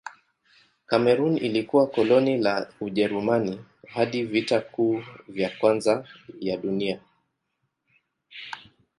Kamerun ilikuwa koloni la Ujerumani hadi Vita Kuu ya Kwanza ya Dunia.